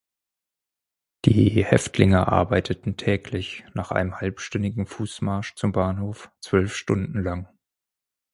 Die Häftlinge arbeiteten täglich, nach einem halbstündigen Fußmarsch zum Bahnhof, zwölf Stunden lang.